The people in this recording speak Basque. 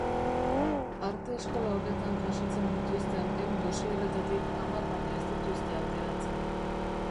Arte eskola horretan jasotzen dituzten ehun dosierretatik hamar baino ez dituzte aukeratzen.